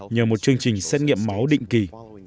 nhờ một chương trình xét nghiệm máu định kỳ